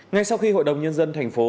ngay sau khi hội đồng nhân dân thành phố